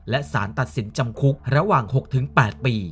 และสารตัดสินจำคุกระหว่าง๖๘ปี